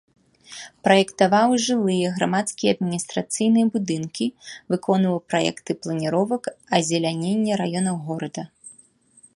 Праектаваў жылыя, грамадскія і адміністрацыйныя будынкі, выконваў праекты планіровак азелянення раёнаў горада.